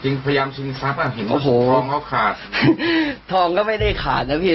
พยายามชิงทรัพย์อ่ะเห็นโอ้โหทองเขาขาดอืมทองก็ไม่ได้ขาดนะพี่